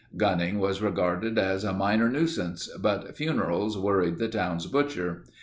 Gunning was regarded as a minor nuisance, but funerals worried the town's butcher.